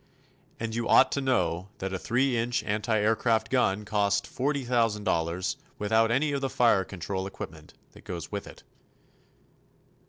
And you ought to know that a three inch anti aircraft gun costs $40,000 without any of the fire control equipment that goes with it.